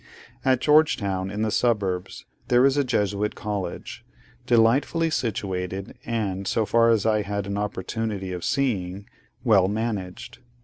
At George Town, in the suburbs, there is a Jesuit College; delightfully situated, and, so far as I had an opportunity of seeing, well managed.